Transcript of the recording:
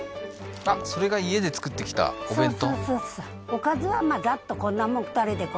あっそれが家で作ってきたお弁当？